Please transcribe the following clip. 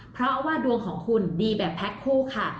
เพราะว่าดวงของคุณดีแบบแพ็คคู่ค่ะ